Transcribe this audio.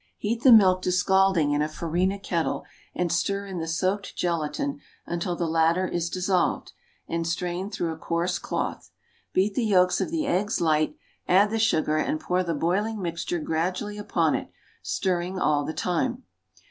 Heat the milk to scalding in a farina kettle and stir in the soaked gelatine until the latter is dissolved, and strain through a coarse cloth. Beat the yolks of the eggs light, add the sugar and pour the boiling mixture gradually upon it, stirring all the time.